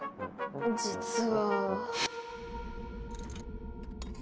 実は。